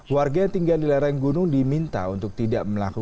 warga yang tinggal di lereng gunung diminta untuk tidak melakukan